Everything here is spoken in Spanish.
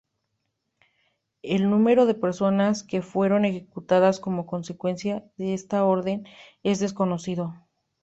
El número de personas que fueron ejecutadas como consecuencia de esta orden es desconocido.